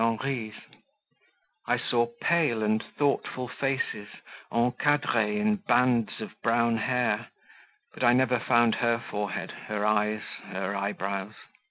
Henri's; I saw pale and thoughtful faces "encadrees" in bands of brown hair, but I never found her forehead, her eyes, her eyebrows.